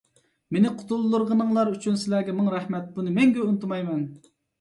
مېنى قۇتۇلدۇرغىنىڭلار ئۈچۈن سىلەرگە مىڭ رەھمەت! بۇنى مەڭگۈ ئۇنتۇمايمەن.